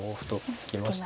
突きました。